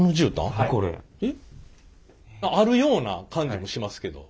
えっあるような感じもしますけど。